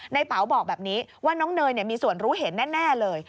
เป๋าบอกแบบนี้ว่าน้องเนยมีส่วนรู้เห็นแน่เลย